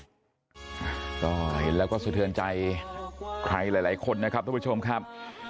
ก็เห็นแล้วก็สุดท้ายใครหลายคนนะครับท่านผู้ชมครับ